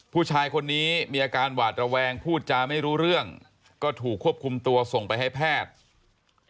ผู้ชายคนนี้มีอาการหวาดระแวงพูดจาไม่รู้เรื่องก็ถูกควบคุมตัวส่งไปให้แพทย์